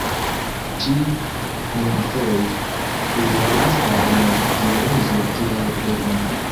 Ĉi nimfoj prizorgis la Dion Dionizo kiel bebon.